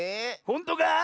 ほんとか⁉